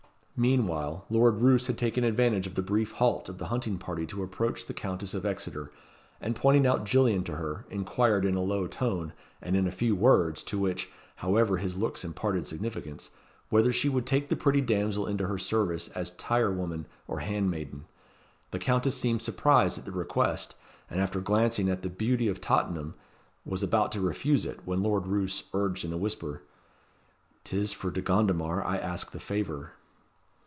Meanwhile, Lord Roos had taken advantage of the brief halt of the hunting party to approach the Countess of Exeter, and pointing out Gillian to her, inquired in a low tone, and in a few words, to which, however, his looks imparted significance, whether she would take the pretty damsel into her service as tire woman or handmaiden. The Countess seemed surprised at the request, and, after glancing at the Beauty of Tottenham, was about to refuse it, when Lord Roos urged in a whisper, "'T is for De Gondomar I ask the favour."